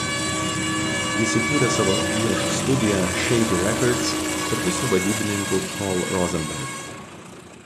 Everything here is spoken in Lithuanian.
Jis įkūrė savo įrašų studiją Shady Records kartu su vadybininku Paul Rosenberg.